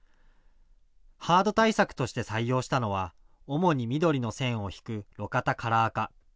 ハード対策として採用したのは主に緑の線を引く路肩カラー化。